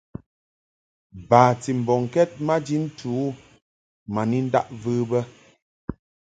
Bati mbɔŋkɛd maji ntɨ u ma ni ndaʼ və bə.